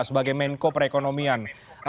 sebagai menko perekonomian